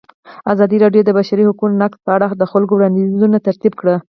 ازادي راډیو د د بشري حقونو نقض په اړه د خلکو وړاندیزونه ترتیب کړي.